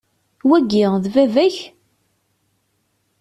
Wagi, d baba-k?